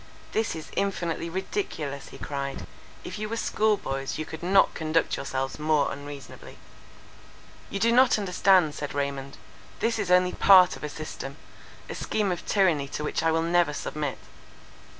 "This is infinitely ridiculous," he cried, "if you were school boys, you could not conduct yourselves more unreasonably." "You do not understand," said Raymond. "This is only part of a system:—a scheme of tyranny to which I will never submit.